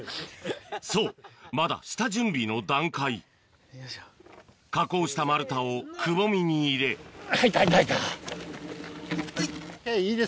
そうまだ下準備の段階加工した丸太をくぼみに入れ入った入った入った。